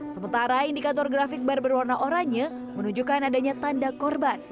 sementara indikator grafik bar berwarna oranye menunjukkan adanya tanda korban